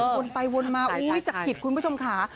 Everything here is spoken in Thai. บังปลายวนมาอุ๊ยจักขิตคุณผู้ชมค่ะ